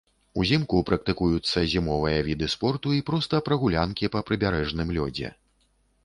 Узімку практыкуюцца зімовыя віды спорту і проста прагулянкі па прыбярэжным лёдзе.